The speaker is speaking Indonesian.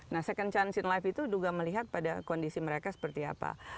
nah kesempatan kedua dalam hidup itu juga melihat pada kondisi mereka seperti apa